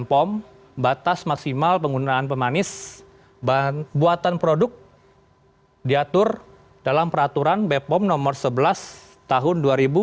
tapi pertama kali ke penggunaan badan pom batas maksimal penggunaan pemanis kebuatan produk diatur dalam peraturan bepom no sebelas tahun dua ribu sembilan belas